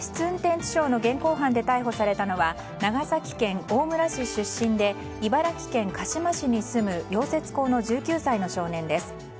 運転致傷の現行犯で逮捕されたのは長崎県大村市出身で茨城県鹿嶋市に住む溶接工の１９歳の少年です。